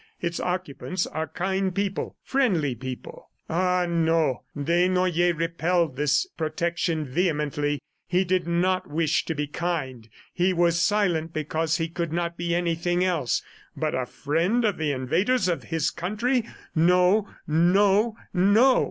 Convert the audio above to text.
Its occupants are kind people ... friendly people.'" Ah, no! ... Desnoyers repelled this protection vehemently. He did not wish to be kind. He was silent because he could not be anything else. ... But a friend of the invaders of his country! ... No, NO, NO!